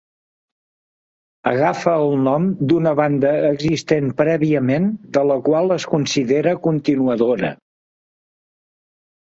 Agafa el nom d'una banda existent prèviament de la qual es considera continuadora.